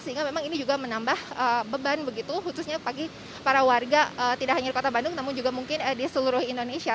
sehingga memang ini juga menambah beban begitu khususnya bagi para warga tidak hanya di kota bandung namun juga mungkin di seluruh indonesia